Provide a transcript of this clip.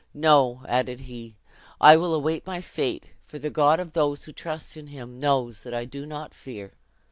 'No,' added he, 'I will await my fate; for the God of those who trust in him knows that I do not fear!'